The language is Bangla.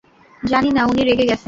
জানি না, উনি রেগে গেছেন।